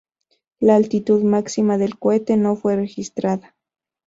La altitud máxima del cohete no fue registrada.